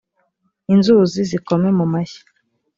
inzuzi zikome mu mashyi